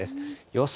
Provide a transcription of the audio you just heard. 予想